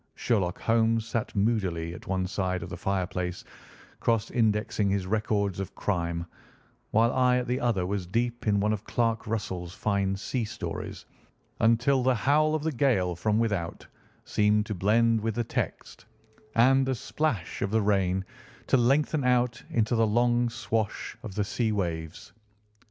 Sherlock Holmes sat moodily at one side of the fireplace cross indexing his records of crime, while I at the other was deep in one of Clark Russell's fine sea stories until the howl of the gale from without seemed to blend with the text, and the splash of the rain to lengthen out into the long swash of the sea waves.